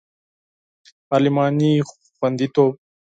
پارلماني خوندیتوب